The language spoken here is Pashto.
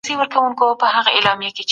د نوښت لپاره بايد پراخه مطالعه وسي.